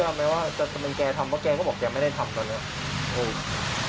เชื่อไหมว่าจะเป็นแกทำว่าแกก็บอกแกไม่ได้ทำตัวเนี่ย